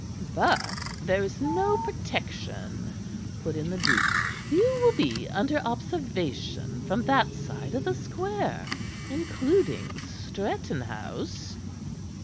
"But there is no protection," put in the duke. "You will be under observation from that side of the square, including Stretton House."